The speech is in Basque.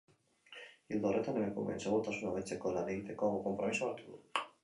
Ildo horretan, emakumeen segurtasuna hobetzeko lan egiteko konpromisoa hartu du.